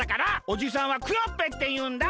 おじさんはクヨッペンっていうんだ。